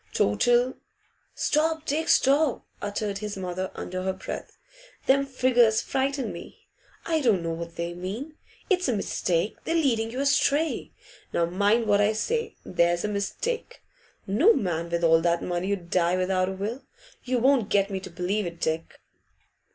Total 'Stop, Dick, stop!' uttered his mother, under her breath. 'Them figures frighten me; I don't know what they mean. It's a mistake; they're leading you astray. Now, mind what I say there's a mistake! No man with all that money 'ud die without a will. You won't get me to believe it, Dick.